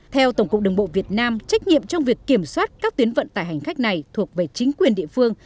theo tổng cục đường bộ việt nam trách nhiệm trong việc kiểm soát các tuyến vận tải hành khách này thuộc về chính quyền địa phương